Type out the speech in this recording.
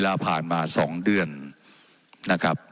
ว่าการกระทรวงบาทไทยนะครับ